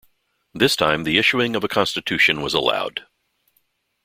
This time the issuing of a constitution was allowed.